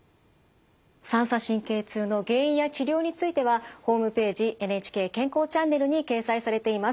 三叉神経痛の原因や治療についてはホームページ「ＮＨＫ健康チャンネル」に掲載されています。